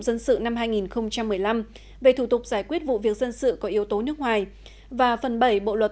dân sự năm hai nghìn một mươi năm về thủ tục giải quyết vụ việc dân sự có yếu tố nước ngoài và phần bảy bộ luật